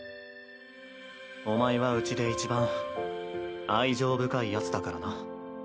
お前はうちでいちばん愛情深いヤツだからな。